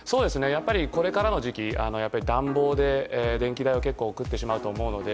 やっぱりこれからの時期暖房で電気代を結構食ってしまうと思うので。